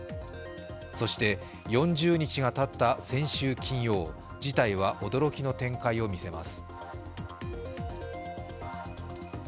そして４０日がたった先週金曜、事態は驚きの展開を見せます。